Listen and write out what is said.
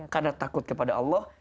karena takut kepada allah